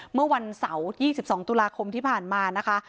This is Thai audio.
เมื่อวันเสาร์๒๒ตุลาคมที่ผ่านมานะคะ